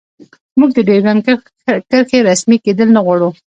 موږ د ډیورنډ کرښې رسمي کیدل نه غواړو